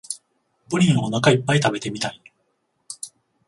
プリンをおなかいっぱい食べてみたい